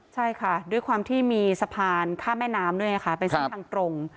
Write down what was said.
ใช่ค่ะด้วยความที่มีสะพานข้ามแม่น้ำด้วยค่ะเป็นเส้นทางตรง